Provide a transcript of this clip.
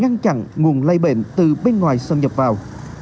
chẳng chặn nguồn lây bệnh từ bên ngoài sân nhập vào